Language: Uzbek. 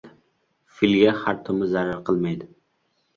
• Filga xartumi zarar qilmaydi.